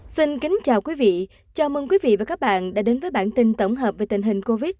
xin kính chào quý vị chào mừng quý vị và các bạn đã đến với bản tin tổng hợp về tình hình covid một mươi